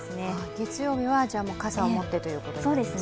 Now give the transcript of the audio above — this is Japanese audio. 月曜日は傘を持ってということですね。